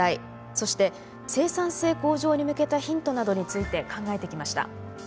そして、生産性向上に向けたヒントなどについて考えてきました。